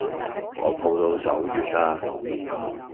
我抱到手軟啦